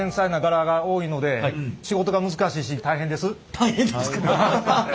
大変ですか。